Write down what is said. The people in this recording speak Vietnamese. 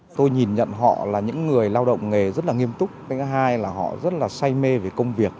tôi nhìn nhận họ là những người lao động nghề rất là nghiêm túc cái thứ hai là họ rất là say mê về công việc